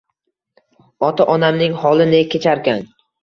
Ota-onamning holi ne kecharkan